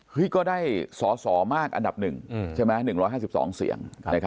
เฮ้ยก็ได้สสมากอันดับหนึ่งใช่ไหม๑๕๒เสียง